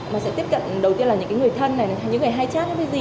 mà sẽ tiếp cận đầu tiên là những người thân này những người hay chat với dì